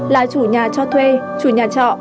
là chủ nhà cho thuê chủ nhà trọ